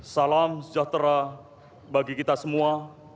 salam sejahtera bagi kita semua